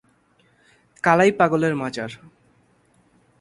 কালাই পাগল এর মাজার।